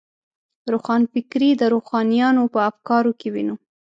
روښانفکري د روښانیانو په افکارو کې وینو.